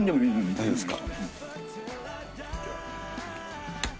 大丈夫ですか？